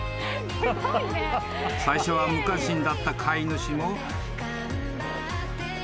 ［最初は無関心だった飼い主も］